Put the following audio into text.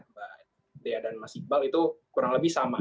mbak dea dan mas iqbal itu kurang lebih sama